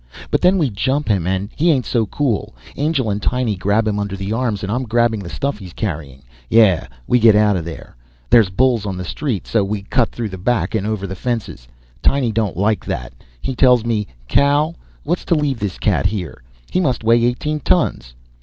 But then we jump him and he ain't so cool. Angel and Tiny grab him under the arms and I'm grabbing the stuff he's carrying. Yeah, we get out of there. There's bulls on the street, so we cut through the back and over the fences. Tiny don't like that. He tells me, "Cow. What's to leave this cat here? He must weigh eighteen tons."